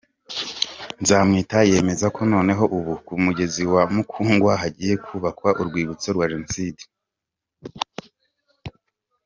Nzamwita yemeza ko noneho ubu ku mugezi wa Mukungwa hagiye kubakwa Urwibutso rwa Jenoside.